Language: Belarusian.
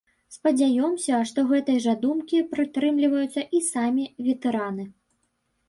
Спадзяёмся, што гэтай жа думкі прытрымліваюцца і самі ветэраны.